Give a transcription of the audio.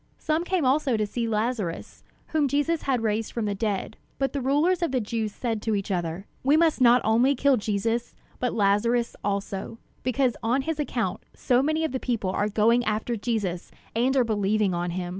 Some came also to see Lazarus, whom Jesus had raised from the dead; but the rulers of the Jews said to each other: "We must not only kill Jesus, but Lazarus, also; because on his account so many of the people are going after Jesus and are believing on him."